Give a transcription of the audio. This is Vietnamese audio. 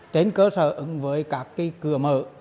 trên cơ sở với các cửa mở